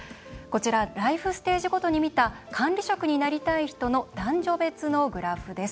こちらライフステージごとに見た管理職になりたい人の男女別のグラフです。